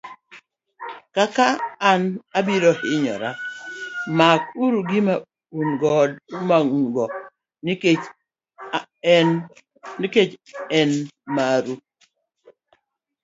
kata ka an abiro hinyora, mak uru gima un godo nikech en maru.